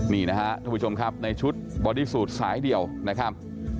นี่นะครับท่านผู้ชมครับในชุดบอดี้สูตรสายเดียวนะครับ